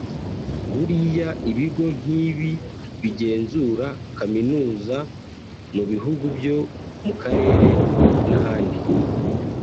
Buriya ibigo nk’ibi bigenzura kaminuza mu bihugu byo mu karere n’ahandi